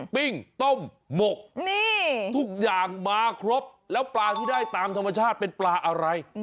ปิ้งต้มหมกทุกอย่างมาครบแล้วปลาที่ได้ตามธรรมชาติเป็นปลาอะไร